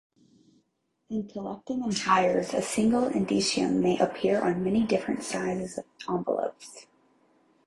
In collecting entires, a single indicium may appear on many different sizes of envelopes.